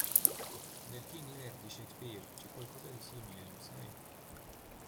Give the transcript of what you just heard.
Nel King Lear di Shakespeare c'è qualcosa di simile, lo sai?